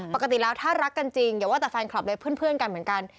ปกติแล้วถ้ารักกันจริงอย่าว่าแต่แฟนคลับเลยเพื่อนกันเหมือนกัน